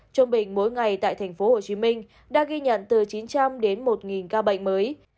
trung bình mỗi ngày tại tp hcm đã ghi nhận từ chín trăm linh đến một ca bệnh mới